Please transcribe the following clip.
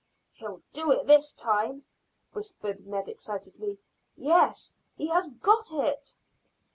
"He'll do it this time," whispered Ned excitedly. "Yes: he has got it."